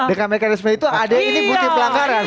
dengan mekanisme itu ada ini bukti pelanggaran